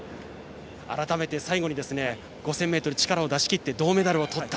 改めて、最後に５０００ｍ、力を出し切って銅メダルをとった。